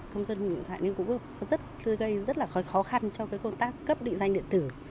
công dân không dùng điện thoại cũng gây rất khó khăn cho công tác cấp địa danh điện tử